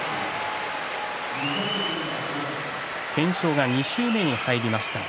懸賞が２周目に入りました。